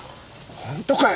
本当かよ？